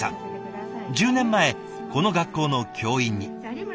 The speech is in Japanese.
１０年前この学校の教員に。